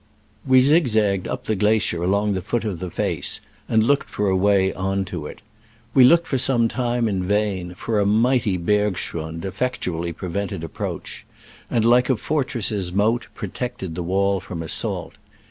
We zigzagged up the glacier along the foot of the face, and looked for a way on to it. We looked for some time in vain, for a mighty bergschrund effect ually prevented approach, and, like a fortress' moat, protected the wall from assault.